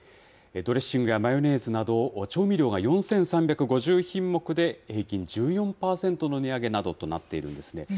ドレッシングやマヨネーズなど、調味料が４３５０品目で、平均１４％の値上げなどとなっているんですね。